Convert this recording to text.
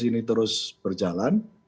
ini terus berjalan